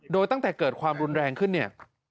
โดยตั้งแต่เกิดความรุนแรงขึ้นเนี่ย